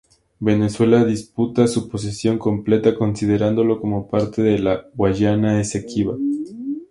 Venezuela disputa su posesión completa considerándolo como parte de la Guayana Esequiba.